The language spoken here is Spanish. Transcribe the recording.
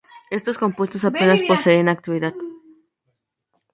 Estos compuestos apenas poseen actividad.